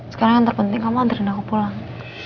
sekarang yang terpenting kamu antririn aku pulang